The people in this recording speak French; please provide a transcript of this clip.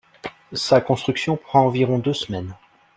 Sa construction prend environ deux semaines.